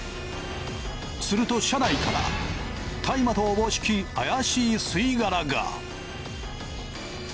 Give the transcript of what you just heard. すると車内から大麻と思しき怪しい吸い殻が！